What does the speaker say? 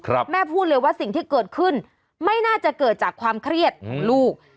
แม่พูดเลยว่าสิ่งที่เกิดขึ้นไม่น่าจะเกิดจากความเครียดของลูก